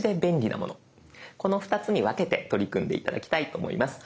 この２つに分けて取り組んで頂きたいと思います。